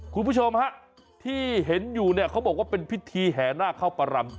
คุณผู้ชมฮะที่เห็นอยู่เนี่ยเขาบอกว่าเป็นพิธีแห่นาคเข้าประรำ